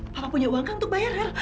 papa punya uang kan untuk bayar ya